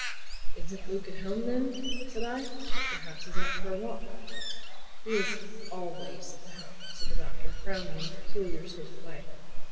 "Isn't Luke at home then?" said I. "Perhaps he's out for a walk." "He is always at home," said the Doctor frowning in a peculiar sort of way.